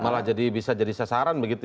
malah bisa jadi sasaran begitu ya